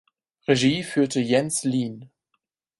Regie führte Jens Lien.